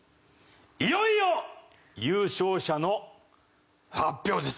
いよいよ優勝者の発表です。